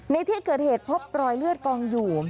ในที่เกิดเหตุพบรอยเลือดกองอยู่